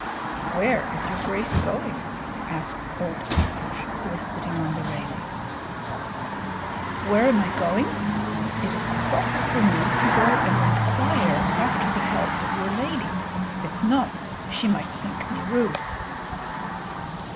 "Where is your grace going?" asked old Pakosh, who was sitting on the railing. "Where am I going? It is proper for me to go and inquire after the health of your lady; if not, she might think me rude."